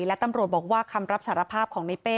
และตำรวจบอกว่าคำรับสารภาพของในเป้